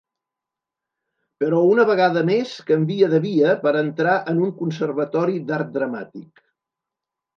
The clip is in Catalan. Però una vegada més canvia de via per entrar en un conservatori d'art dramàtic.